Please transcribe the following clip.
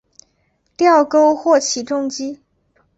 吊钩或起重机。